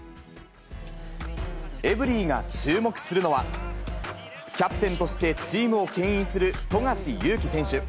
エブリィが注目するのは、キャプテンとしてチームをけん引する富樫勇樹選手。